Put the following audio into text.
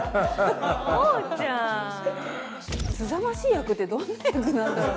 すさまじい役ってどんな役なんだろう？